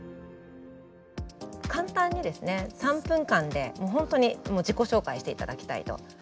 簡単にですね３分間で本当に自己紹介していただきたいと。